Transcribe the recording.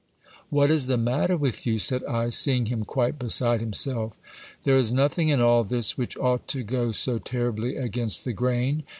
What is the matter with you? said I, seeing him quite beside himself. There is nothing in all this which ought to go so terribly against the grain.